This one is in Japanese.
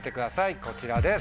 こちらです。